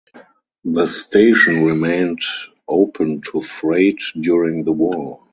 The station remained open to freight during the war.